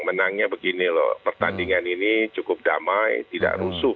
menangnya begini loh pertandingan ini cukup damai tidak rusuh